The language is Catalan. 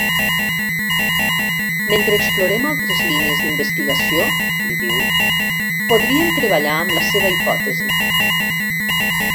Mentre explorem altres línies d'investigació —li diu— podríem treballar amb la seva hipòtesi.